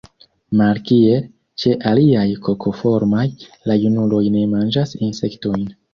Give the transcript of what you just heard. Malkiel ĉe aliaj kokoformaj, la junuloj ne manĝas insektojn.